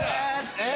えっ！